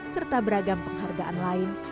serta beragam penghargaan lain